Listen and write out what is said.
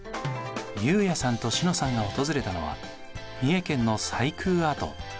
悠也さんと詩乃さんが訪れたのは三重県の斎宮跡。